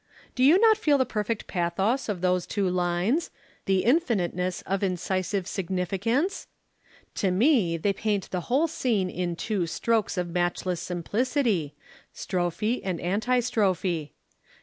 "Do you not feel the perfect pathos of those two lines, the infiniteness of incisive significance? To me they paint the whole scene in two strokes of matchless simplicity, strophe and anti strophe.